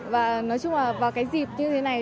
và nói chung là vào cái dịp như thế này